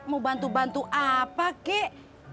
mau bantu bantu apa kek